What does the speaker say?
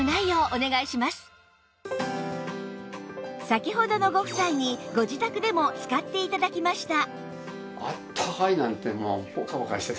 先ほどのご夫妻にご自宅でも使って頂きました